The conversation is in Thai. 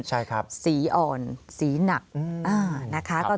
ใช่ครับสีอ่อนสีหนักนะคะ